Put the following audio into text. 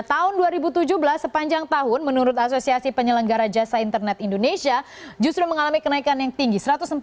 dan dua ribu tujuh belas sepanjang tahun menurut asosiasi penyelenggara jasa internet indonesia justru mengalami kenaikan yang tinggi